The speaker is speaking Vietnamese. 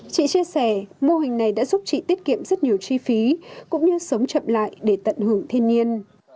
chị chia sẻ mô hình này đã giúp chị tiết kiệm rất nhiều chi phí cũng như sống chậm lại để tận hưởng thiên nhiên